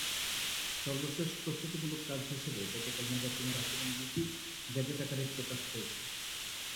সর্বশেষ প্রস্তুতিমূলক কাজ হিসেবে গতকাল নির্বাচনের আচরণবিধি গেজেট আকারে প্রকাশ হয়েছে।